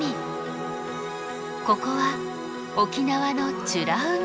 ここは沖縄の美ら海。